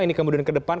ini kemudian ke depan